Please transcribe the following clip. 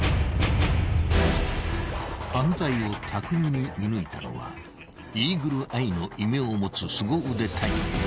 ［犯罪を巧みに見抜いたのはイーグルアイの異名を持つすご腕隊員］